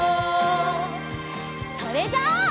それじゃあ。